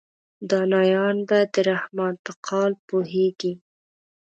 دانایان به د رحمان په قال پوهیږي.